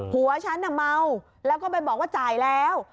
หัวฉันน่ะเมาแล้วก็ไปบอกว่าจ่ายแล้ว